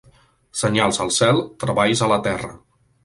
Senyals al cel, treballs a la terra.